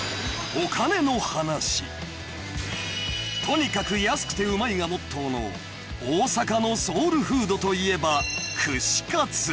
［とにかく安くてうまいがモットーの大阪のソウルフードといえば］